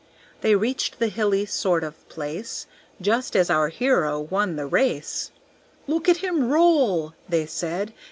They reached the hilly sort of place Just as our hero won the race; "Look at him roll!" They said.